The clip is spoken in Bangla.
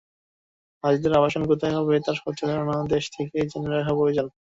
হাজিদের আবাসন কোথায় হবে তার স্বচ্ছ ধারণা দেশ থেকেই জেনে রাখা প্রয়োজন।